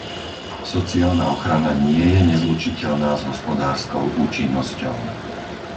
Sociálna ochrana nie je nezlučiteľná s hospodárskou účinnosťou.